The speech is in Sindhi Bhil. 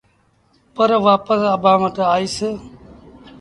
پر وآپس اڀآنٚ وٽ آئيٚس۔